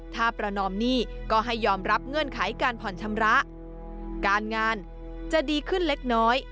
ถ้าประนอมหนี้ก็ให้ยอมรับเงื่อนไขการผ่อนชำระการงานจะดีขึ้นเล็กน้อย